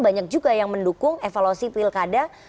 banyak juga yang mendukung evaluasi pilkada